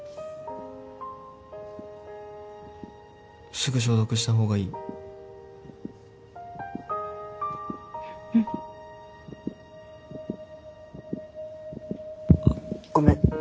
すぐ消毒した方がいいうんあっごめん